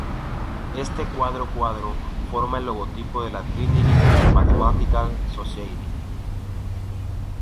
Este "cuadrado cuadrado" forma el logotipo de la Trinity Mathematical Society.